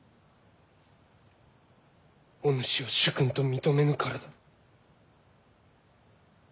お主を主君と認めぬからだ。